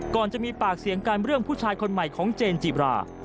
ก่อนจะมีปากเสียงกันเรื่องผู้ชายคนใหม่ของเจนจีบรา